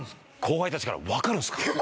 後輩たちから「分かるんですか？」おい！